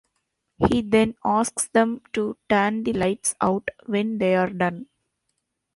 He then asks them to turn the lights out when they're done.